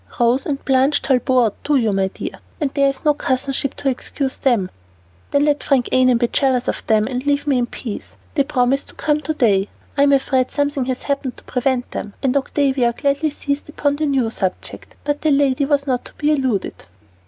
"Rose and Blanche Talbot outdo you, my dear, and there is no cousinship to excuse them." "Then let Frank Annon be jealous of them, and leave me in peace. They promised to come today; I'm afraid something has happened to prevent them." And Octavia gladly seized upon the new subject. But my lady was not to be eluded.